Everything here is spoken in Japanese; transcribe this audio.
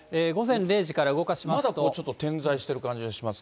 まだこれちょっと、点在している感じがし